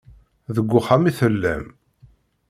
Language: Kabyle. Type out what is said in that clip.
Deg uxxam i tellam.